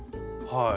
はい。